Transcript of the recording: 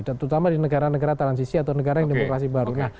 terutama di negara negara transisi atau negara yang demokrasi baru